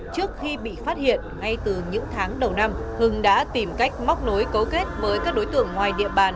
trước khi bị phát hiện ngay từ những tháng đầu năm hưng đã tìm cách móc nối cấu kết với các đối tượng ngoài địa bàn